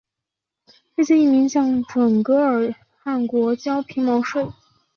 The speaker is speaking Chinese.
这些遗民向准噶尔汗国交毛皮税。